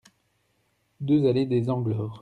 deux allée des Anglores